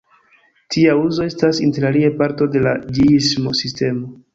Tia uzo estas interalie parto de la ĝiismo-sistemo.